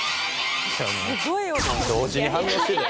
同時に反応してるやん。